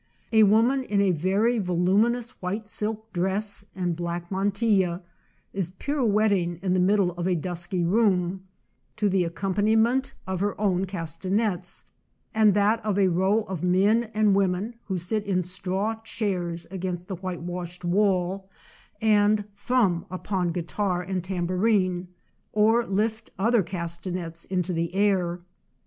A woman in a very voluminous white silk dress and black mantilla is pir ouetting' in the middle of a dusky room, to the accompaniment of her own casta nets, and that of a row of men and women who sit in straw chairs against the white washed wall, and thrum upon guitar and tambourine, or lift other castanets into the air.